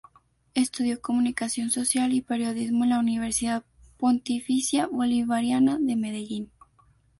Estudió Comunicación social y Periodismo en la Universidad Pontificia Bolivariana de Medellín.